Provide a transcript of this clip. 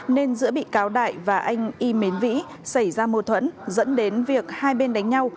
nên giữa bị cáo đại và anh y mến vĩ xảy ra mô thuẫn dẫn đến việc hai bên đánh nhau